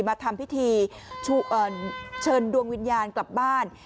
มาทำพิธีเชิญดวงวิญญาณกลับบ้าน